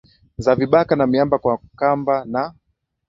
za vibaka na miamba kwa kamba na